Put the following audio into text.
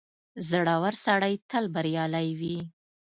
• زړور سړی تل بریالی وي.